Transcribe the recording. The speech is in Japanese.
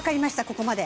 ここまで。